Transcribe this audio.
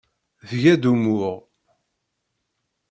Tga-d umuɣ.